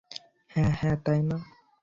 হ্যাঁ, হ্যাঁ, তাই না?